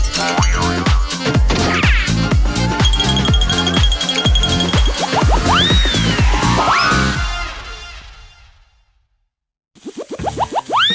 สวัสดีครับสวัสดีครับ